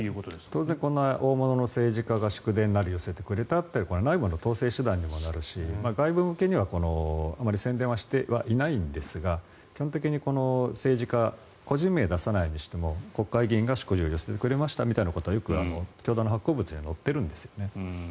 当然、大物の政治家が祝電なり寄せてくれたというのは内部の統制手段にもなるし外部向けには、あまり宣伝はしてはいないんですが基本的にこの政治家個人名を出さないにしても国会議員が祝辞を寄せてくれましたみたいなのはよく教団の発行物には載っているんですよね。